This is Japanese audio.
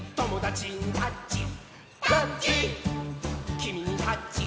「きみにタッチ」